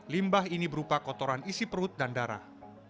limbah ini berupa kotoran isi perut dan darah